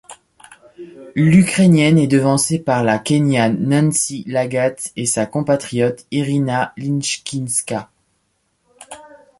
L'Ukrainienne est devancée par la Kényane Nancy Lagat et sa compatriote Iryna Lishchynska.